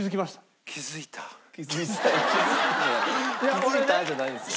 「気づいた」じゃないんですよ。